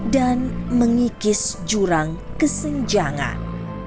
dan mengikis jurang kesenjangan